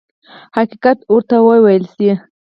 حقیقت ورته وویل شي.